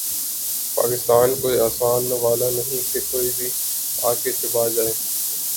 پاکستان کوئی آسان نوالہ نہیں کہ کوئی بھی آ کے چبا جائے۔